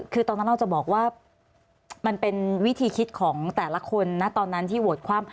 คือตอนนั้นเราจะบอกว่ามันเป็นวิธีคิดของแต่ละคนนะตอนนั้นที่โหวตความ